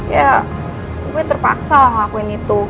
ya gue terpaksa lah ngelakuin itu